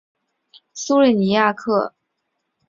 苏利尼亚克。